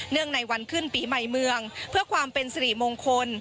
ในวันขึ้นปีใหม่เมืองเพื่อความเป็นสิริมงคล